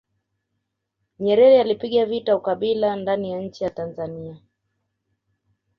nyerere alipiga vita ukabila ndani ya nchi ya tanzania